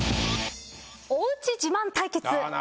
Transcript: おうち自慢対決。